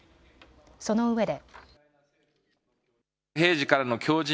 そのうえで。